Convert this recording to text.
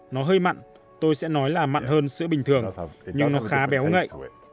nó hơi mặn tôi sẽ nói là mặn hơn sữa bình thường nhưng nó khá béo ngậy